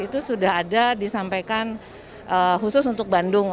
itu sudah ada disampaikan khusus untuk bandung